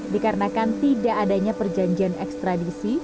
dikarenakan tidak adanya perjanjian ekstradisi